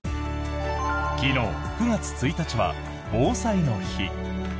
昨日、９月１日は防災の日。